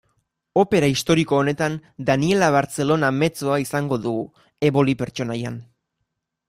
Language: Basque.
Opera historiko honetan, Daniella Barcellona mezzoa izango dugu, Eboli pertsonaian.